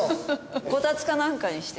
こたつかなんかにして。